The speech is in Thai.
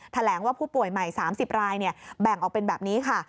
แถลงว่าผู้ป่วยใหม่๓๐รายแบ่งออกเป็นแบบนี้ค่ะ